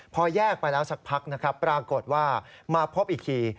พอแยกไปแล้วสักพักนะครับปรากฏว่ามาพบอีกที